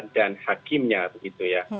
dan hakimnya begitu ya